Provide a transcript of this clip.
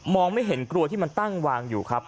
ไม่เห็นกลัวที่มันตั้งวางอยู่ครับ